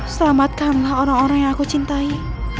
selamatkanlah orang orang yang aku cintai